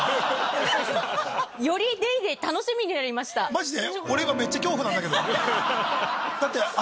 マジで？